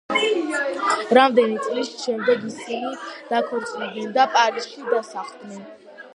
რამდენიმე წლის შემდეგ ისინი დაქორწინდნენ და პარიზში დასახლდნენ.